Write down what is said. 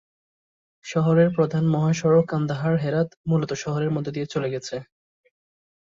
শহরের প্রধান মহাসড়ক কান্দাহার-হেরাত মূলত শহরের মধ্য দিয়ে চলে গেছে।